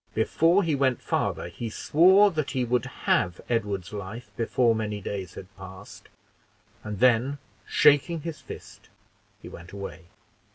Before he went farther, he swore that he would have Edward's life before many days had passed, and then shaking his fist, he went away.